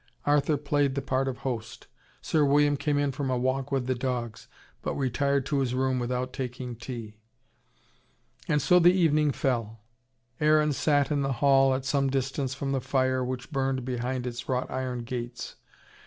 Arthur played the part of host. Sir William came in from a walk with the dogs, but retired to his room without taking tea. And so the evening fell. Aaron sat in the hall at some distance from the fire, which burned behind its wrought iron gates.